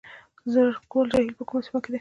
زرکول جهیل په کومه سیمه کې دی؟